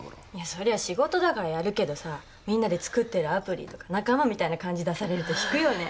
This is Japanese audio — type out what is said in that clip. そりゃ仕事だからやるけどさ「みんなで作ってるアプリ」とか仲間みたいな感じ出されると引くよね。